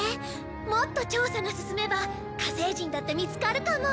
もっと調査が進めば火星人だって見つかるかも！